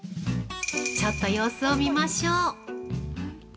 ちょっと様子を見ましょう。